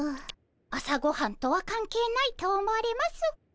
朝ごはんとは関係ないと思われます。